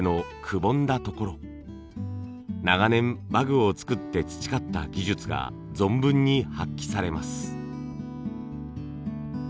長年馬具を作って培った技術が存分に発揮されます。